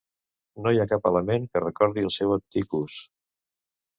No hi ha cap element que recordi el seu antic ús.